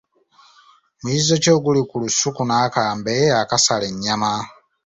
Muzizo ki oguli ku lusuku n'akambe akasala ennyama?